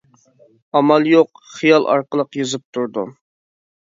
ئامال يوق «خىيال» ئارقىلىق يېزىپ تۇردۇم.